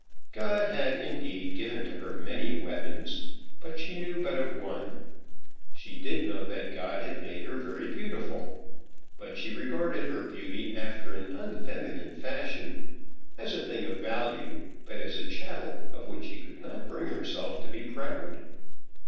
God had, indeed, given to her many weapons, but she knew but of one. She did know that God had made her very beautiful. But she regarded her beauty after an unfeminine fashion, as a thing of value, but as a chattel of which she could not bring herself to be proud.